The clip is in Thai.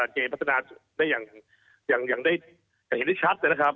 เจ๊พัฒนาอย่างได้ชัดนะครับ